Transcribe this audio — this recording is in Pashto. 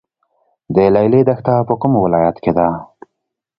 د لیلی دښته په کوم ولایت کې ده؟